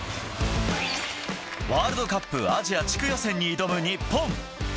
ワールドカップアジア地区予選に挑む日本。